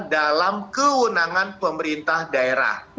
dalam kewenangan pemerintah daerah